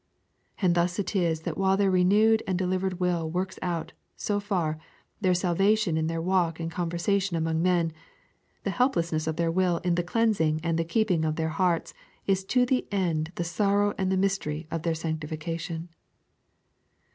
And thus it is that while their renewed and delivered will works out, so far, their salvation in their walk and conversation among men, the helplessness of their will in the cleansing and the keeping of their hearts is to the end the sorrow and the mystery of their sanctification.